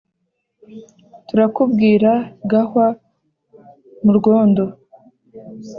Turakubwira gahwa mu rwondo: